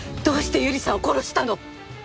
どうして百合さんを殺したの！？